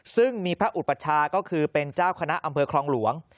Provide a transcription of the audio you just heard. ซึ่งมีพระอุปัชชาก็คือเป็นเจ้าคณะอำเภอคลองหลวง